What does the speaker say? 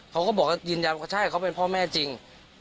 เขาก็บอกว่ายืนยันว่าใช่เขาเป็นพ่อแม่จริง